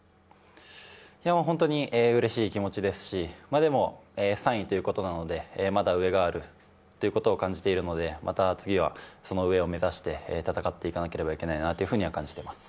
本当にうれしい気持ちですしでも、３位ということなので、まだ上があるということを感じているので、また次はその上を目指して戦っていかなければいけないと感じています。